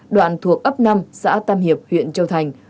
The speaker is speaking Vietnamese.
đoạn thuộc ấp năm xã tam hiệp huyện châu thành